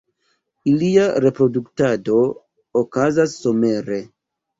Ilia reproduktado okazas somere.